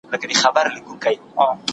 چي ستا د میني په تهمت مي دار ته وخېژوي